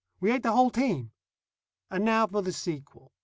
We ate the whole team. And now for the sequel.